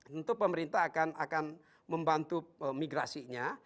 tentu pemerintah akan membantu migrasinya